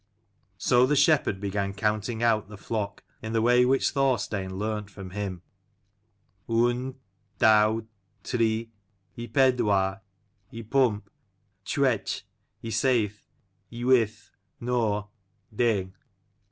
So the shepherd began counting out the flock, in their way which Thorstein learnt from him: "Un, dau, tri, y pedwar, y pump : chwech, y saith, y wyth, naw, deg."